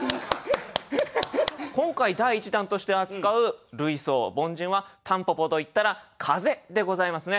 今回第１弾として扱う類想凡人は蒲公英といったら「風」でございますね。